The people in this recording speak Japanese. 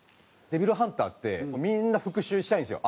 デビルハンターってみんな復讐したいんですよ